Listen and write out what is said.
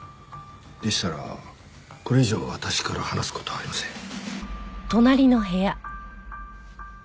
でしたらこれ以上私から話す事はありません。